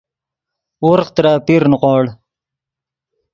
ورغ ترے اپیر نیغوڑ